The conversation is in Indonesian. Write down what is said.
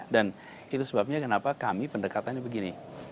dan itu sebabnya kenapa kami pendekatannya begini